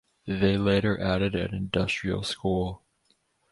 They later added an Industrial School.